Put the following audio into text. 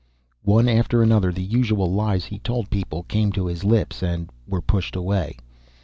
One after another the usual lies he told people came to his lips, and were pushed away.